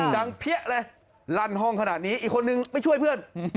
เพี้ยเลยลั่นห้องขนาดนี้อีกคนนึงไม่ช่วยเพื่อน